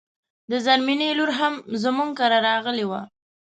د زرمينې لور هم زموږ کره راغلی و